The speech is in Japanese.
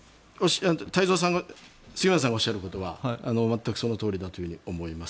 杉村さんがおっしゃることは全くそのとおりだと思います。